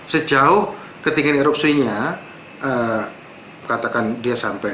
sejauh ketinggian erupsinya katakan dia sampai